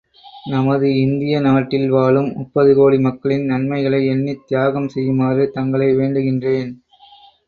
நமது இந்திய நாட்டில் வாழும் முப்பது கோடி மக்களின் நன்மைகளை எண்ணித் தியாகம் செய்யுமாறு தங்களை வேண்டுகின்றேன்.